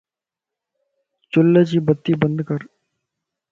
چل جي بتي بندڪر